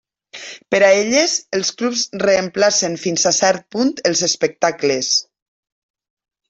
Per a elles, els clubs reemplacen fins a cert punt els espectacles.